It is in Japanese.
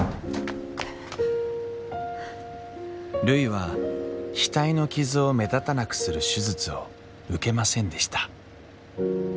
るいは額の傷を目立たなくする手術を受けませんでした。